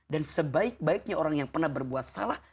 dan sebaik baiknya orang yang pernah berbuat salah